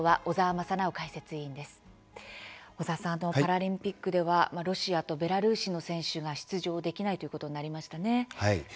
小澤さん、パラリンピックではロシアとベラルーシの選手が出場できないということになりましたね。